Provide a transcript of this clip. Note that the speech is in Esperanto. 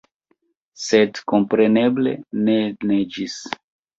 Sed kompreneble ne neĝis.